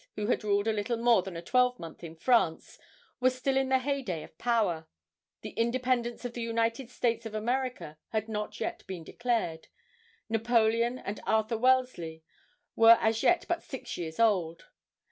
who had ruled a little more than a twelvemonth in France, was still in the heyday of power, the Independence of the United States of America had not yet been declared, Napoleon and Arthur Wellesley were as yet but six years old.